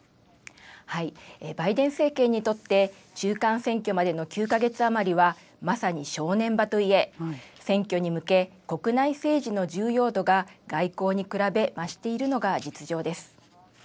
バイデン政権にとって、中間選挙までの９か月余りは、まさに正念場といえ、選挙に向け、国内政治の重要度が外交に比べ増しているのが実情です。